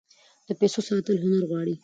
د پیسو ساتل هنر غواړي.